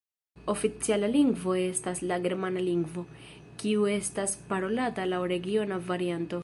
Oficiala lingvo estas la Germana lingvo, kiu estas parolata laŭ regiona varianto.